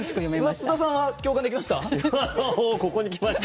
津田さんは共感できました？